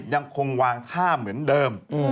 ยังคงวางท่าเหมือนเดิม